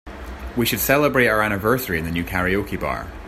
We should celebrate our anniversary in the new karaoke bar.